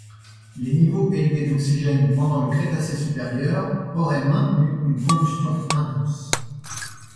Les niveaux élevés d'oxygène pendant le Crétacé supérieur auraient maintenu une combustion intense.